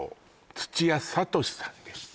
土屋聡さんです